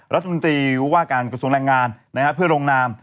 รัฐมนตรีว่าการกระทรวงแรงงานเพื่อลงนาม